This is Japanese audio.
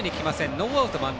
ノーアウト、満塁。